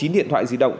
chín điện thoại di động